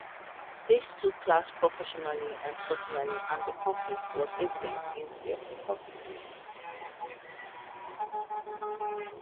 The two clashed professionally and personally, and the conflict was evident in their reporting.